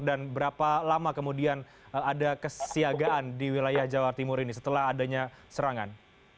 dan berapa lama kemudian ada kesiagaan di wilayah jawa timur ini setelah adanya serangan